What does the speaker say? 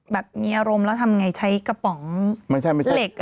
แบบมีอารมณ์แล้วทำอย่างไรใช้กระป๋องเหล็ก